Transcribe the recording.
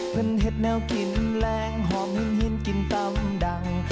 พื้นเห็นแนวกลิ่นแรงหอมหินกลิ่นตั้มดัง